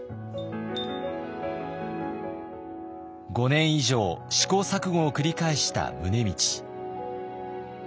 ５年以上試行錯誤を繰り返した宗理。